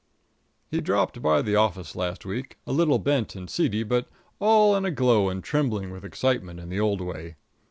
He dropped by the office last week, a little bent and seedy, but all in a glow and trembling with excitement in the old way.